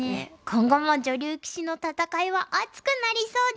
今後も女流棋士の戦いは熱くなりそうです。